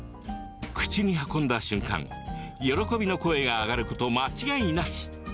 口に運んだ瞬間、喜びの声が上がること間違いなし。